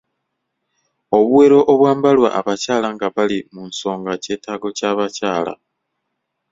Obuwero obwambalwa abakyaala nga bali munsonga kyetaago ky'abakyala.